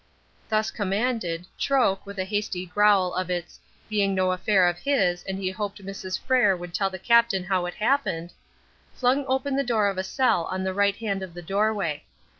Thus commanded, Troke, with a hasty growl of its "being no affair of his, and he hoped Mrs. Frere would tell the captain how it happened" flung open the door of a cell on the right hand of the doorway.